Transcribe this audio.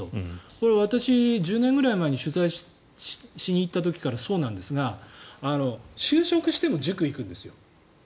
これ、私１０年くらい前に取材しに行った時からそうなんですが就職しても塾に行くんですよ。